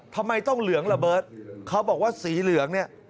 ทำไมต้องเหลืองระเบิดเขาบอกว่าสีเหลืองเนี่ย